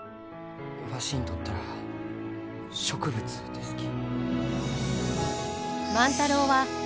わしにとったら植物ですき。